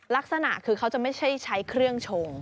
ลักษณะคือเขาจะไม่ใช่ใช้เครื่องชง